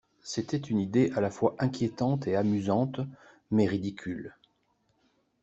C’était une idée à la fois inquiétante et amusante, mais ridicule.